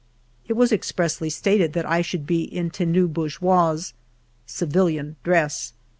It was expressly stated that I should be in tenue bourgeoise (civilian dress).